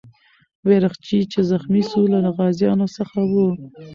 بیرغچی چې زخمي سو، له غازیانو څخه و.